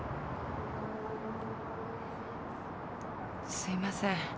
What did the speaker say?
すいません。